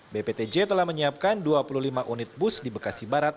bptj telah menyiapkan dua puluh lima unit bus di bekasi barat